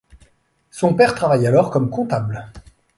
Son père travaille alors comme comptable.